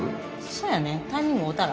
そやねタイミング合うたら。